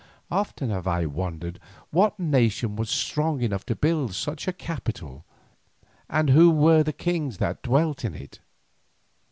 Often have I wondered what nation was strong enough to build such a capital, and who were the kings that dwelt in it.